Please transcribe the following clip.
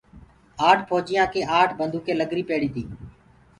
آٺ ڦوجِيآنٚ ڪي آٺ بنٚدوُڪينٚ نکريٚ پيڙيٚ تيٚ